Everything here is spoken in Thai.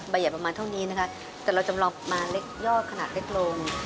ใหญ่ประมาณเท่านี้นะคะแต่เราจำลองมาเล็กยอดขนาดเล็กลง